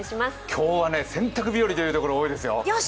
今日はね、洗濯日和という所多いですよ。